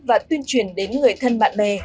và tuyên truyền đến người thân bạn bè